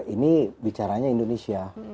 ini bicaranya indonesia